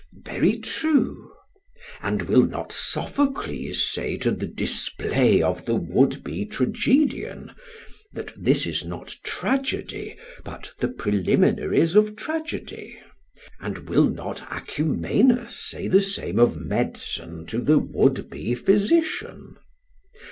PHAEDRUS: Very true. SOCRATES: And will not Sophocles say to the display of the would be tragedian, that this is not tragedy but the preliminaries of tragedy? and will not Acumenus say the same of medicine to the would be physician?